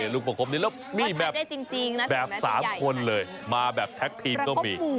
ลูกประกบนี้แล้วมีแบบ๓คนเลยมาแบบแท็กทีมก็มี